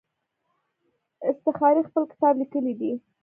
اصطخري خپل کتاب لیکلی دی.